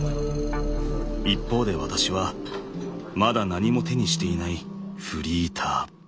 一方で私はまだ何も手にしていないフリーター。